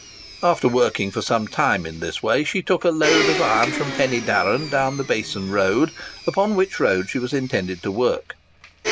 After working for some time in this way, she took a load of iron from Pen y darran down the Basin road, upon which road she was intended to work.